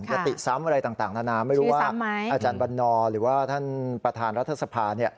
ยติซ้ำอะไรต่างนานาไม่รู้ว่าอาจารย์วันนอหรือว่าท่านประธานรัฐสภา